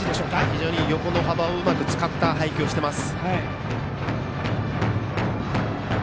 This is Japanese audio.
非常に横の幅をうまく使った配球をしています。